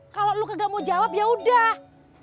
kalau lo gak mau jawab yaudah